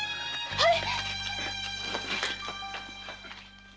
はい！